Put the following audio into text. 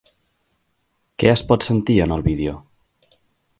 Què es pot sentir en el vídeo?